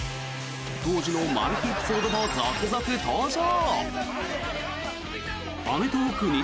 当時のマル秘エピソードも続々登場。